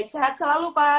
sehat selalu pak